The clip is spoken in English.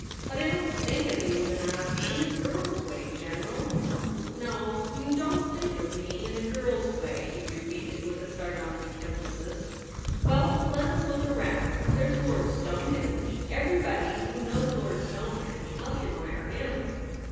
But I don't think of you In a — in a girl's way, General.' ' No ; you don't think of me in a girl's way,' he repeated with a sardonic emphasis. * Well, let us look around. There's Lord Stonehenge. Everybody who knows Lord Stonehenge must admire him.'